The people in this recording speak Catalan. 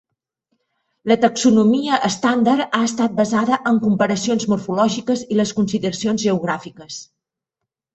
La taxonomia estàndard ha estat basada en comparacions morfològiques i les consideracions geogràfiques.